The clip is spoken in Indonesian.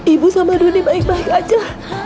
ibu sama doni baik baik aja